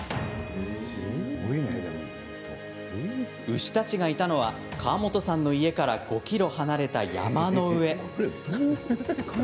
牛たちがいたのは川本さんの家から５ｋｍ離れた山の上。